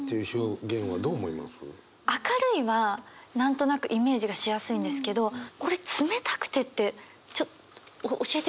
「明るい」は何となくイメージがしやすいんですけどこれ「冷たくて」ってちょ教えていただけますか？